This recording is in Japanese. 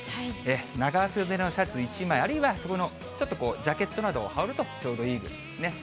長袖のシャツ１枚、あるいは厚手のジャケットなどを羽織るとちょうどいいぐらいですね。